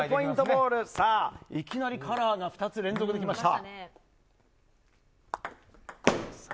いきなりカラーが２つ連続で来ました。